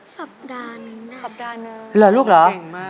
สัปดาห์นึงน่ะสัปดาห์นึงเก่งมากลูก